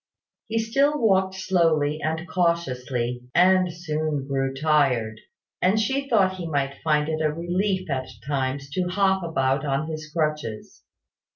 He still walked slowly and cautiously, and soon grew tired: and she thought he might find it a relief at times to hop about on his crutches.